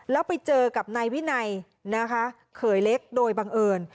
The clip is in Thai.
แล้วไปเจอกับนายวินัยนะคะเขยเล็กโดยบังเอิญ